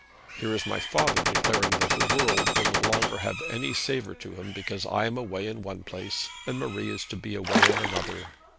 Here is my father declaring that the world will no longer have any savour for him because I am away in one place, and Marie is to be away in another.